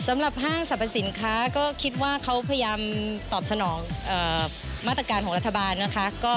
ห้างสรรพสินค้าก็คิดว่าเขาพยายามตอบสนองมาตรการของรัฐบาลนะคะ